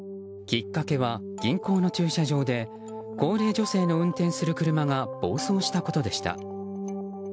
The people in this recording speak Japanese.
きっかけは、銀行の駐車場で高齢女性の運転する車が暴走したことでした。